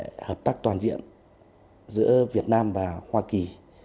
chúng ta sẽ hợp tác toàn diện giữa việt nam và hoa kỳ